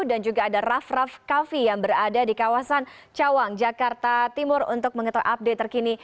dan juga ada raf raf kavi yang berada di kawasan cawang jakarta timur untuk mengetahui update terkini